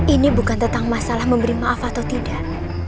ini bukan tentang masalah memberi maaf atau tidak